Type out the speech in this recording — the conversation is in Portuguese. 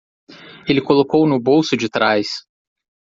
Ele colocou no bolso de trás.